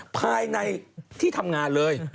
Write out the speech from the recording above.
ภายในที่ทำงานเลย